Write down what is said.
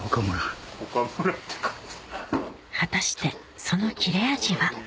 果たしてその切れ味は？